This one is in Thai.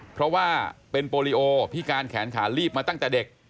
เพราะว่าเป็นโปรลิโอพิการแขนขาลีบมาตั้งแต่เด็ก